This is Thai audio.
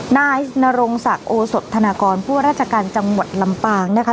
นายนรงศักดิ์โอสดธนากรผู้ว่าราชการจังหวัดลำปางนะคะ